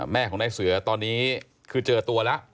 แม่ของนายเสือตอนนี้คือเจอตัวแล้ว